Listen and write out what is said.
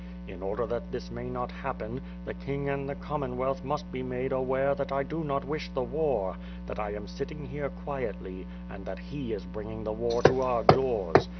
In order that this may not happen, the king and the Commonwealth must be made aware that I do not wish the war; that I am sitting here quietly; and that he is bringing the war to our doors.